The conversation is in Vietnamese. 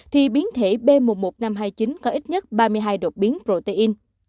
thì biến thể b một mươi một nghìn năm trăm hai mươi chín có ít nhất ba mươi hai đột biến protein